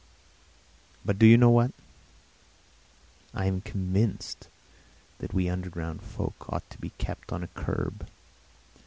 But do you know what: I am convinced that we underground folk ought to be kept on a curb.